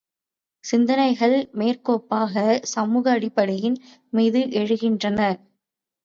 சிந்தனைகள் மேற்கோப்பாக, சமூக அடிப்படையின் மீது எழுகின்றன.